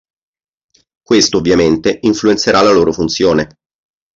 Questo ovviamente influenzerà la loro funzione.